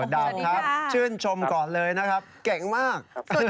ดาบครับชื่นชมก่อนเลยนะครับเก่งมาก